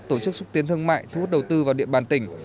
tổ chức xúc tiến thương mại thu hút đầu tư vào địa bàn tỉnh